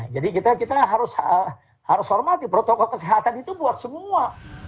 jadi kita harus hormati protokol kesehatan itu buat semua